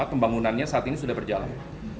kembangunannya saat ini sudah berjalan